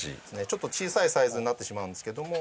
ちょっと小さいサイズになってしまうんですけども。